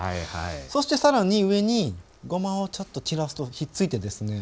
そして更に上にごまをちょっと散らすとひっついてですね